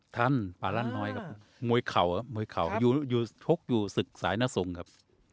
ทันป่าลั่นน้อยครับมวยเข่าครับมวยเข่าทบอยู่ศึกสายนสงครับ